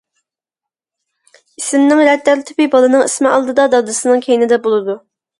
ئىسىمنىڭ رەت تەرتىپى بالىنىڭ ئىسمى ئالدىدا، دادىسىنىڭ كەينىدە بولىدۇ.